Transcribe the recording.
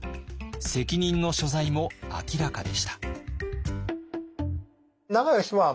責任の所在も明らかでした。